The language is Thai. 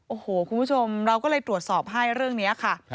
โอ้โหคุณผู้ชมเราก็เลยตรวจสอบให้เรื่องนี้ค่ะ